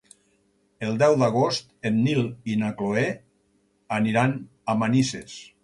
El deu d'agost en Nil i na Cloè aniran a Manises.